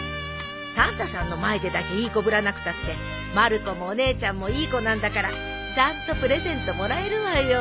サンタさんの前でだけいい子ぶらなくたってまる子もお姉ちゃんもいい子なんだからちゃんとプレゼントもらえるわよ。